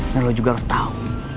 dan lo juga harus tau